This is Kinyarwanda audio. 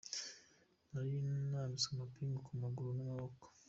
Nari nambitswe amapingu ku maguru n’amaboko.